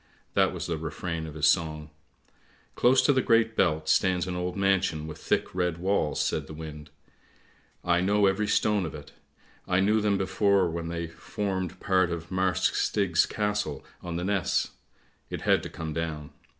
" That was the refrain of his song. " Close to the Great Belt stands an old mansion with thick red walls," says the wind. " I know every stone of it, I knew them before when they formed part of Marsk Stig's Castle on the Ness; it had to come down.